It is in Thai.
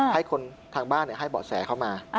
ให้ทางบ้านให้บอกแสเขามา